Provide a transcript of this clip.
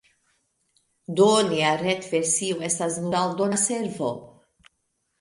Do nia retversio estas nur aldona servo.